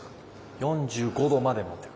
４５度まで持ってくる。